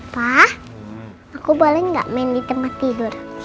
pa aku boleh gak main di tempat tidur